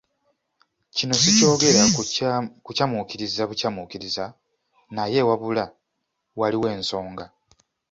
Kino sikyogera kukyamuukiriza bukyamuukiriza naye wabula waliwo ensonga.